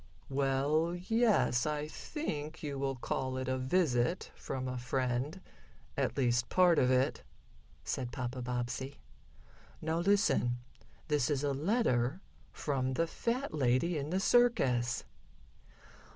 "Well, yes, I think you will call it a visit from a friend at least part of it," said Papa Bobbsey. "Now listen. This is a letter from the fat lady in the circus."